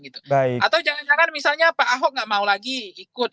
atau jangan jangan misalnya pak ahok nggak mau lagi ikut